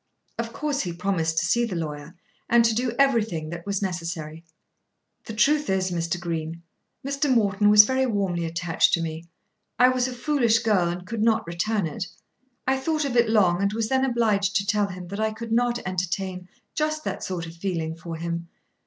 Of course he promised to see the lawyer and to do everything that was necessary. "The truth is, Mr. Green, Mr. Morton was very warmly attached to me. I was a foolish girl, and could not return it. I thought of it long and was then obliged to tell him that I could not entertain just that sort of feeling for him.